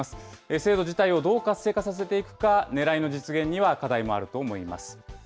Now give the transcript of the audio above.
制度自体をどう活性化させていくか、ねらいの実現には課題もあると思います。